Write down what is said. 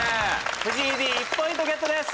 藤井Ｄ１ポイントゲットです！